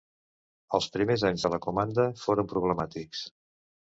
Els primers anys de la comanda foren problemàtics.